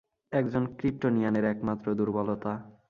একজন ক্রিপ্টোনিয়ানের একমাত্র দুর্বলতা।